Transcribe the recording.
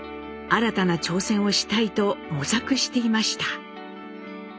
新たな挑戦をしたいと模索していました。